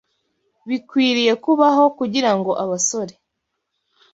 bikwiriye kubaho kugira ngo abasore